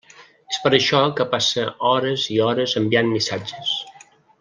És per això que passa hores i hores enviant missatges.